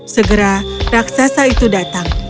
segera raksasa itu datang